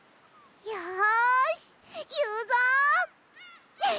よしいうぞ！